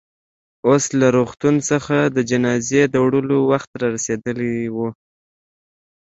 اوس له روغتون څخه د جنازې د وړلو وخت رارسېدلی و.